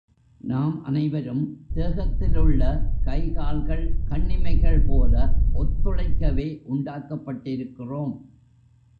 நாம் அனைவரும் தேகத்திலுள்ள கை கால்கள், கண்ணிமைகள் போல ஒத்துழைக்கவே உண்டாக்கப்பட்டிருக்கிறோம்.